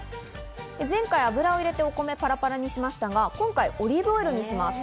前回、油を入れてお米をパラパラにしましたが、今回はオリーブオイルにします。